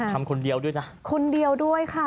ทำคนเดียวด้วยนะคนเดียวด้วยค่ะ